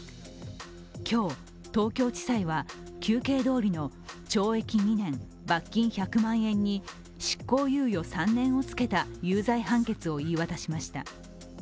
今日、東京地裁は求刑どおりの懲役２年、罰金１００万円に執行猶予３年をつけた有罪判決を言い渡しました。